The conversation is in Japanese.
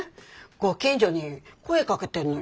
ご近所に声かけてんのよ。